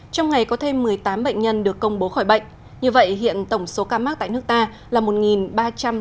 trong ngày có thêm một mươi tám bệnh nhân được công bố khỏi bệnh như vậy hiện tổng số ca mắc tại nước ta là một ba trăm linh ca